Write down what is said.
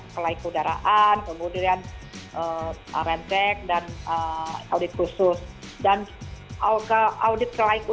kelaik udaraan kemudian rem cek dan audit khusus